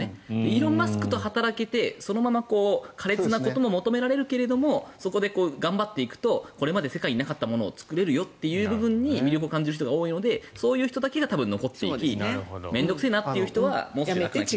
イーロン・マスクと働けてそのまま苛烈なことも求められるけどもそこで頑張ってくとこれまで世界になかったものを作れるよという部分に魅力を感じる人が多いのでそういう人だけが残っていき面倒臭いという人は辞めて。